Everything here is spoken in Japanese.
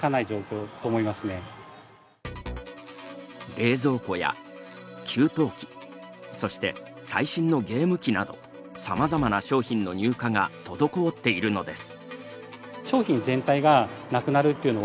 冷蔵庫や給湯器そして最新のゲーム機などさまざまな商品の入荷が滞っているのです。